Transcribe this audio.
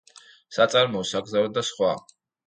საწარმოო, საგზაო და სხვა.